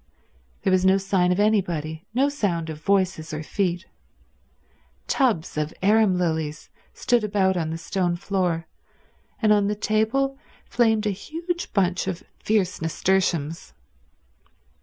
There was no sign of anybody, no sound of voices or feet. Tubs of arum lilies stood about on the stone floor, and on a table flamed a huge bunch of fierce nasturtiums.